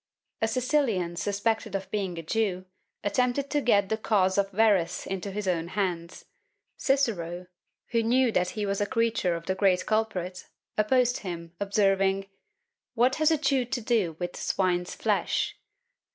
A Sicilian suspected of being a Jew, attempted to get the cause of Verres into his own hands; Cicero, who knew that he was a creature of the great culprit, opposed him, observing "What has a Jew to do with swine's flesh?"